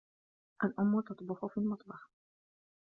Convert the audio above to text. الأم تطبخ في المطبخ.